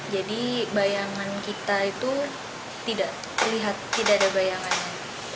jadi bayangan kita itu tidak terlihat tidak ada bayangannya